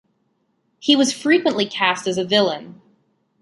He was frequently cast as a villain.